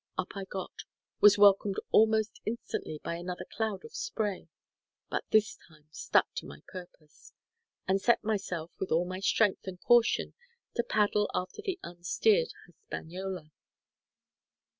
Up I got, was welcomed almost instantly by another cloud of spray, but this time stuck to my purpose; and set myself, with all my strength and caution, to paddle after the unsteered Hispaniola.